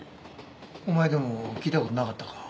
お前でも聞いた事なかったか。